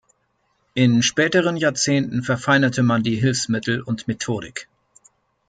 In späteren Jahrzehnten verfeinerte man die Hilfsmittel und Methodik.